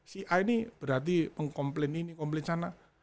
si a ini berarti mengkomplain ini komplain sana